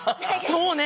そうね。